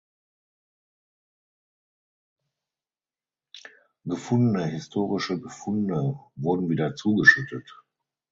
Gefundene historische Befunde wurden wieder zugeschüttet.